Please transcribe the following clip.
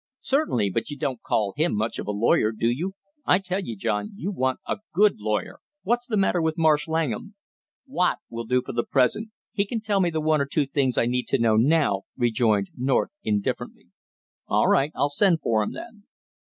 "Certainly, but you don't call him much of a lawyer, do you? I tell you, John, you want a good lawyer; what's the matter with Marsh Langham?" "Watt will do for the present. He can tell me the one or two things I need to know now," rejoined North indifferently. "All right, I'll send for him then."